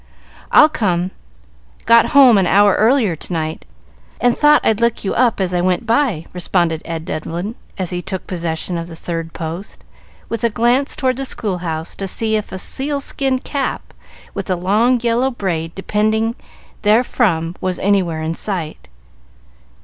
"I'll come. Got home an hour earlier to night, and thought I'd look you up as I went by," responded Ed Devlin, as he took possession of the third post, with a glance toward the schoolhouse to see if a seal skin cap, with a long, yellow braid depending therefrom, was anywhere in sight.